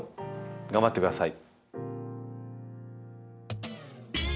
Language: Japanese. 頑張ってください。